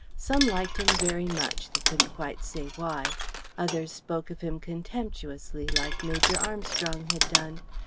Some liked him very much, they couldn't quite say why. Others spoke of him contemptuously, like Major Armstrong had done.